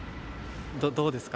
どうですか？